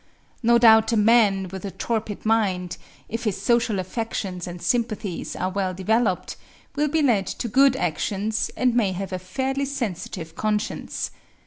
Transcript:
No doubt a man with a torpid mind, if his social affections and sympathies are well developed, will be led to good actions, and may have a fairly sensitive conscience.